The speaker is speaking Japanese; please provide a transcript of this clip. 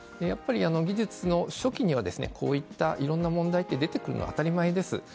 やっぱり技術の初期には、こういったいろんな問題って出てくるのは当たり前です。